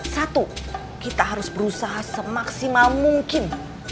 satu kita harus berusaha semaksimal mungkin